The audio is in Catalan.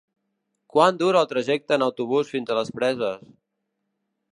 Quant dura el trajecte en autobús fins a les Preses?